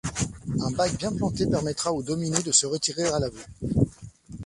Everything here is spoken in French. Un bac bien planté permettra aux dominées de se retirer à la vue.